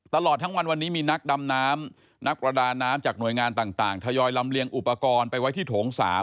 ตลอดทั้งวันวันนี้มีนักดำน้ำนักประดาน้ำจากหน่วยงานต่างทยอยลำเลียงอุปกรณ์ไปไว้ที่โถง๓